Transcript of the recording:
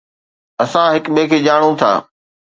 اسان هڪ ٻئي کي ڄاڻون ٿا